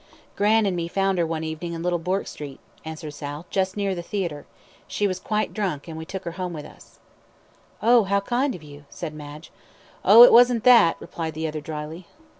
"Gran' an' me found her one evenin' in Little Bourke Street," answered Sal, "just near the theatre. She was quite drunk, an' we took her home with us." "How kind of you," said Madge. "Oh, it wasn't that," replied the other, dryly.